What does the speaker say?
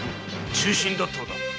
忠臣だったのだ‼